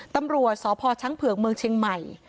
ตำรวจสพช้างเผือกเมืองเชียงใหม่